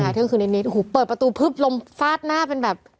ที่กรุงคืนนี้เปิดประตูพึบลมฟาดหน้าเป็นแบบ